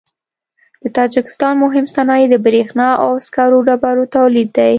د تاجکستان مهم صنایع د برېښنا او سکرو ډبرو تولید دی.